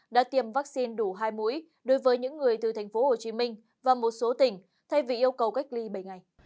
đã tiêm vaccine đủ hai mũi đối với những người từ tp hcm và một số tỉnh thay vì yêu cầu cách ly bảy ngày